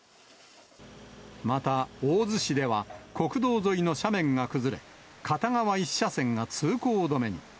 また、大洲市では国道沿いの斜面が崩れ、片側１車線が通行止めに。